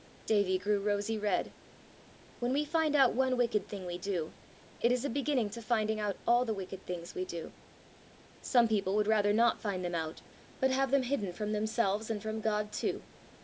Davie grew rosy red. "When we find out one wicked thing we do, it is a beginning to finding out all the wicked things we do. Some people would rather not find them out, but have them hidden from themselves and from God too.